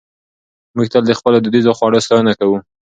موږ تل د خپلو دودیزو خوړو ستاینه کوو.